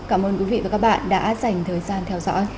cảm ơn quý vị và các bạn đã dành thời gian theo dõi